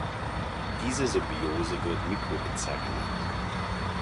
Diese Symbiose wird Mykorrhiza genannt.